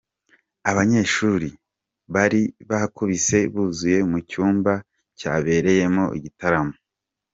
Abanyeshuri bari bakubise buzuye mu cyumba cyabereyemo igitaramo.